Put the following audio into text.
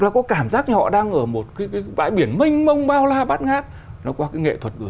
là có cảm giác họ đang ở một cái bãi biển mênh mông bao la bát ngát nó qua cái nghệ thuật biểu